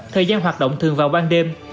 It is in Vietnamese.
thời gian hoạt động thường vào ban đêm